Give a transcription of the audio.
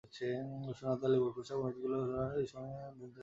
রসুন, আদা, লেবুর খোসা এবং মরিচগুঁড়া দিয়ে গন্ধ আসা পর্যন্ত ভুনতে থাকুন।